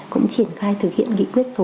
cũng triển khai thực hiện nghị quyết số hai